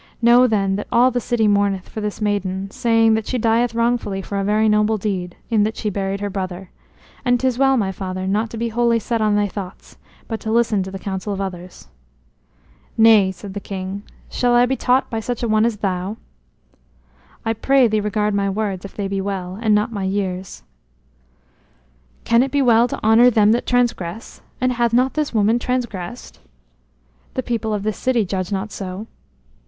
Know then that all the city mourneth for this maiden, saying that she dieth wrongfully for a very noble deed, in that she buried her brother. And 'tis well, my father, not to be wholly set on thy thoughts, but to listen to the counsels of others." "Nay," said the king; "shall I be taught by such an one as thou?" "I pray thee regard my words, if they be well, and not my years." "Can it be well to honor them that transgress? And hath not this woman transgressed?" "The people of this city judge not so."